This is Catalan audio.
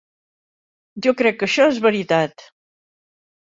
Jo crec que això és veritat.